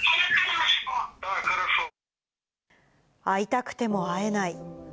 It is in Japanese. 会いたくても会えない。